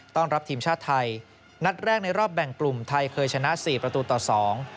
รับทีมชาติไทยนัดแรกในรอบแบ่งกลุ่มไทยเคยชนะสี่ประตูต่อสอง